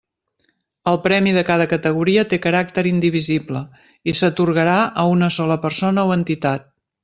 El premi de cada categoria té caràcter indivisible i s'atorgarà a una sola persona o entitat.